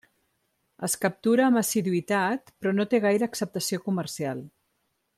Es captura amb assiduïtat però no té gaire acceptació comercial.